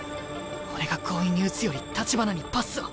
俺が強引に打つより橘にパスを。